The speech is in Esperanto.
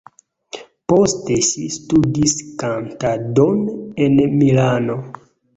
Poste ŝi studis kantadon en Milano.